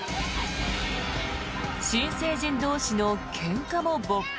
新成人同士のけんかも勃発。